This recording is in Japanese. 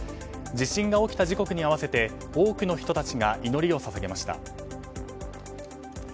地震が起きた時刻に合わせて多くの人たちが祈りを捧げました。